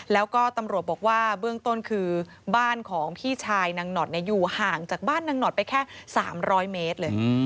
แล้วก็ตำรวจบอกว่าเบื้องต้นคือบ้านของพี่ชายนางหนอดอยู่ห่างจากบ้านนางหนอดไปแค่๓๐๐เมตรเลย